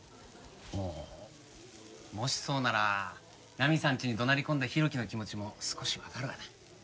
ああもしそうならナミさんちに怒鳴り込んだ浩喜の気持ちも少しわかるわな。